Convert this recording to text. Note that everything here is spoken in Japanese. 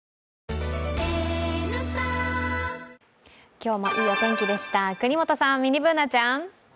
今日もいいお天気でした國本さん、ミニＢｏｏｎａちゃん。